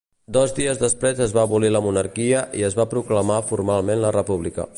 Dos dies després es va abolir la monarquia i es va proclamar formalment la república.